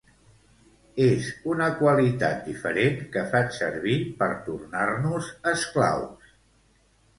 És una qualitat diferent que fan servir per tornar-nos esclaus.